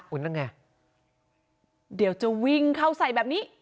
นั่นไงเดี๋ยวจะวิ่งเข้าใส่แบบนี้